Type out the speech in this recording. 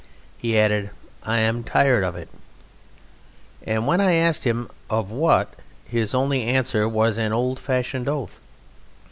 He added, "I am tired of it." And when I asked him, "Of what?" his only answer was an old fashioned oath.